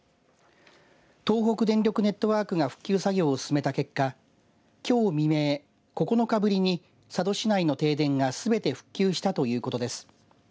東北電力ネットワークが復旧作業を進めた結果きょう未明、９日ぶりに佐渡市内の停電がすべて復旧したということです。